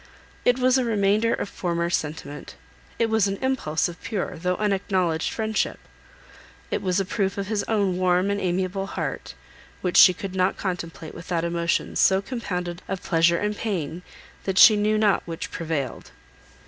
It was a remainder of former sentiment; it was an impulse of pure, though unacknowledged friendship; it was a proof of his own warm and amiable heart, which she could not contemplate without emotions so compounded of pleasure and pain, that she knew not which prevailed.